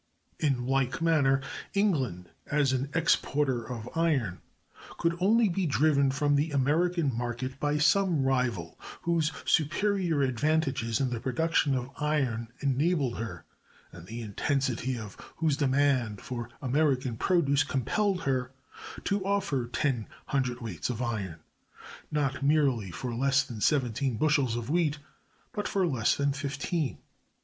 In like manner, England, as an exporter of iron, could only be driven from the American market by some rival whose superior advantages in the production of iron enabled her, and the intensity of whose demand for American produce compelled her, to offer ten cwts. of iron, not merely for less than seventeen bushels of wheat, but for less than fifteen.